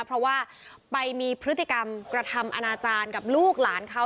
เพราะว่าไปมีพฤติกรรมกระทำอนาจารย์กับลูกหลานเขา